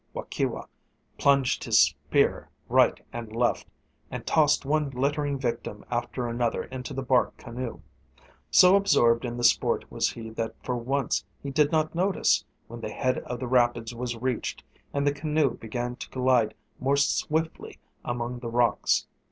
Waukewa plunged his spear right and left, and tossed one glittering victim after another into the bark canoe. So absorbed in the sport was he that for once he did not notice when the head of the rapids was reached and the canoe began to glide more swiftly among the rocks.